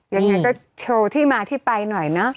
ยังไงก็โชว์ที่มาที่ไปหน่อยเนอะ